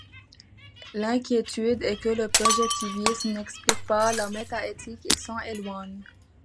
L'inquiétude est que le projectivisme n'explique pas la méta-éthique, il s'en éloigne.